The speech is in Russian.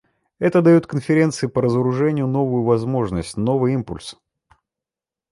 Это дает Конференции по разоружению новую возможность, новый импульс.